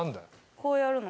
こうやるの